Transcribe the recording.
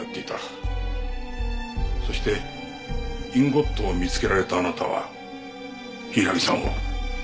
そしてインゴットを見つけられたあなたは柊さんを。